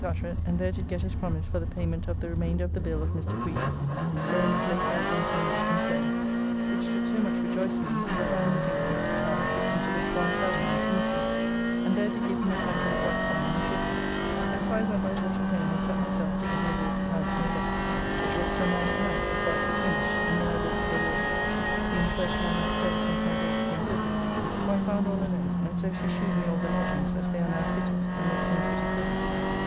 Carteret, and there did get his promise for the payment of the remainder of the bill of Mr. Creed's, wherein of late I have been so much concerned, which did so much rejoice me that I meeting with Mr. Childe took him to the Swan Tavern in King Street, and there did give him a tankard of white wine and sugar, [The popular taste was formerly for sweet wines, and sugar was frequently mixed with the wine.] and so I went by water home and set myself to get my Lord's accounts made up, which was till nine at night before I could finish, and then I walked to the Wardrobe, being the first time I was there since my Lady came thither, who I found all alone, and so she shewed me all the lodgings as they are now fitted, and they seem pretty pleasant.